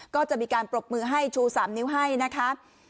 ก็จะมีการปรบมือให้ชู๓นิ้วให้นะคะ